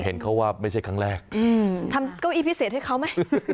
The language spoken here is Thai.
เห็นเขาว่าไม่ใช่ครั้งแรกทำเก้าอี้พิเศษให้เขาไหม